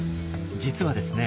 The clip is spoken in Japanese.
実はですね